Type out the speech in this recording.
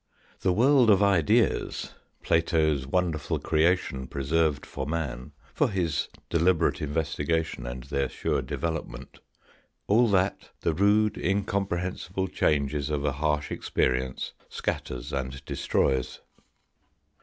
The world of ideas, Plato's wonderful creation preserved for man, for his deliberate investigation and their sure development, all that the rude incom prehensible changes of a harsh experience scatters and destroys.